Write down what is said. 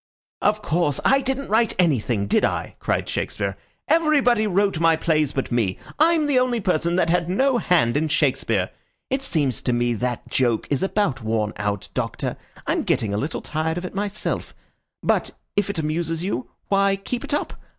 "Oh, of course, I didn't write anything, did I?" cried Shakespeare. "Everybody wrote my plays but me. I'm the only person that had no hand in Shakespeare. It seems to me that joke is about worn out, Doctor. I'm getting a little tired of it myself; but if it amuses you, why, keep it up.